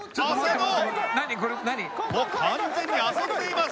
もう完全に遊んでいます。